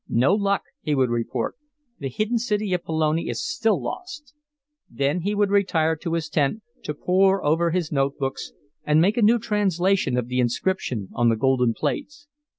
"No luck," he would report. "The hidden city of Pelone is still lost." Then he would retire to his tent, to pour over his note books, and make a new translation of the inscription on the golden plates.